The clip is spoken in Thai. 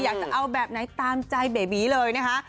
อยากจะเอาแบบไหนตามใจเบบีเลยนะคะ